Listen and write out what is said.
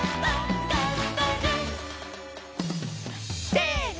せの！